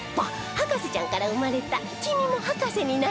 『博士ちゃん』から生まれた「君も博士になれる展」